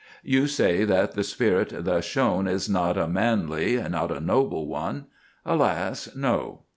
You say that the spirit thus shown is not a manly, not a noble one. Alas! no.